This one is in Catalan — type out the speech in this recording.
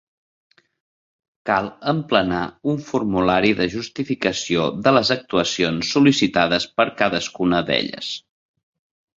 Cal emplenar un formulari de justificació de les actuacions sol·licitades per cadascuna d'elles.